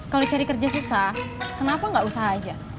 kalau cari kerja susah kenapa gak usah aja